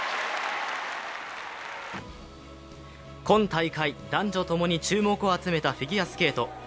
今大会、男女ともに注目を集めたフィギュアスケート。